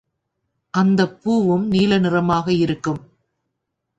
அந்தப் பூவும் நீல நிறமாக இருக்கும்.